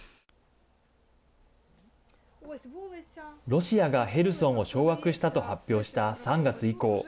ロシアがヘルソンを掌握したと発表した３月以降